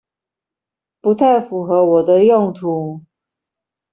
不太符合我的用途